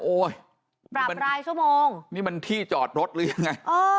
ปรับรายชั่วโมงนี่มันที่จอดรถหรือยังไง